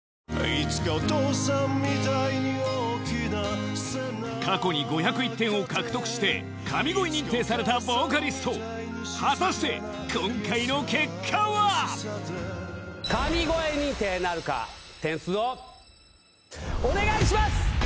いつかお父さんみたいに大きな過去に５０１点を獲得して神声認定されたボーカリスト果たして今回の結果は点数をお願いします！